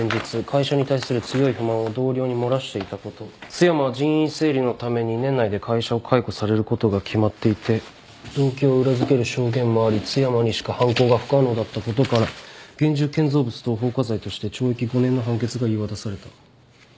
津山は人員整理のために年内で会社を解雇されることが決まっていて動機を裏付ける証言もあり津山にしか犯行が不可能だったことから現住建造物等放火罪として懲役５年の判決が言い渡された。